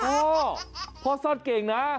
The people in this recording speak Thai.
พ่อพ่อซ่อนเก่งนะ